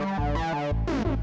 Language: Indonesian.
nih gue ngerjain